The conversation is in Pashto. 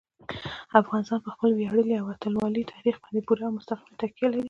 افغانستان په خپل ویاړلي او اتلولۍ تاریخ باندې پوره او مستقیمه تکیه لري.